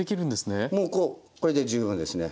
もうこれで十分ですね。